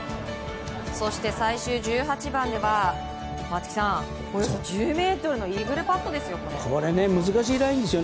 そして最終１８番では松木さん、およそ１０ｍのイーグルパットですよ。